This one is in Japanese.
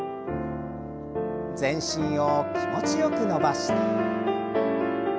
全身を気持ちよく伸ばして。